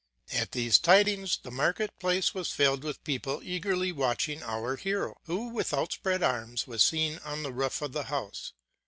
At these tidings, the market place was filled with people eagerly watching our hero, who with outspread arms was seen on the roof of the house.